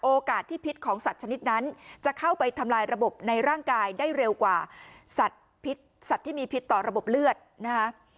โอกาสที่พิษของสัตว์ชนิดนั้นจะเข้าไปทำลายระบบในร่างกายได้เร็วกว่าสัตว์ที่มีพิษต่อระบบเลือดนะคะ